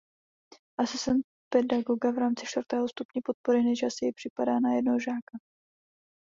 Asistent pedagoga v rámci čtvrtého stupně podpory nejčastěji připadá na jednoho žáka.